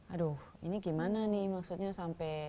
aduh ini gimana nih maksudnya sampai